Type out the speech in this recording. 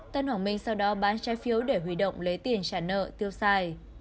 tân hoàng minh sau đó bán trái phiếu để huy động lấy tiền trả nợ tiêu xài